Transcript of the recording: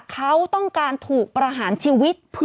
เขาต้องการถูกประหารชีวิต